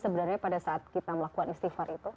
sebenarnya pada saat kita melakukan istighfar itu